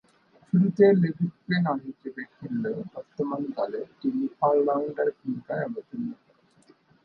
শুরুতে লেগ-স্পিনার হিসেবে খেললেও বর্তমানে দলে তিনি অল-রাউন্ডারের ভূমিকায় অবতীর্ণ হয়েছেন।